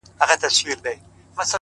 • پرون دي بيا راته غمونه راكړل ـ